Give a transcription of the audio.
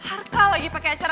arka lagi pakai acara